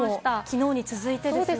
きのうに続いてですね。